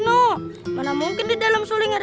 orang tetap membutuhkan